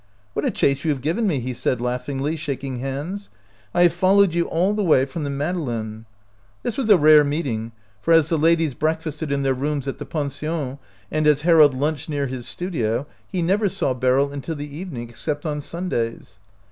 " What a chase you have given me !" he said, laughingly, shaking hands. " I have followed you all the way from the Made • 81 OUT OF BOHEMIA leine." This was a rare meeting, for as the ladies breakfasted in their rooms at the pen sion, and as Harold lunched near his studio, he never saw Beryl until the evening, except on Sundays.